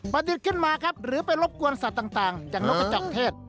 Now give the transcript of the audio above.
ดึกขึ้นมาครับหรือไปรบกวนสัตว์ต่างอย่างนกกระจอกเทศ